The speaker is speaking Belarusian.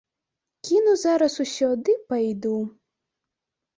Кіну зараз усё ды пайду.